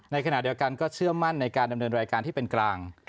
ในขณะเดียวกันก็เชื่อมั่นในการดำเนินรายการที่เป็นกลาง